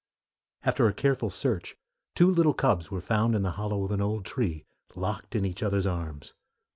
After a careful search two little cubs were found in the hollow of an old tree, locked in each other's arms.